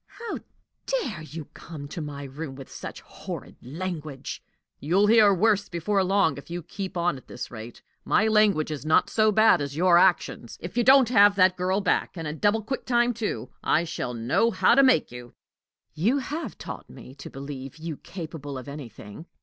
"How dare you come to my room with such horrid language!" "You'll hear worse before long, if you keep on at this rate. My language is not so bad as your actions. If you don't have that girl back, and in double quick time, too, I shall know how to make you!" "You have taught me to believe you capable of anything."